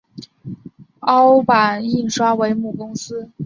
凸版印刷为母公司。